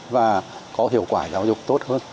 và có hiệu quả giáo dục tốt hơn